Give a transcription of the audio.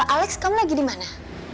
alec kamu lagi dimana